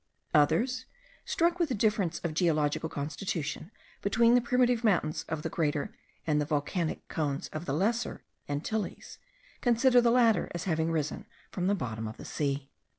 Others, struck with the difference of geological constitution between the primitive mountains of the Greater and the volcanic cones of the Lesser Antilles, consider the latter as having risen from the bottom of the sea.